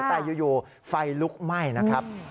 แต่อยู่ไฟลุกไหม้นะครับ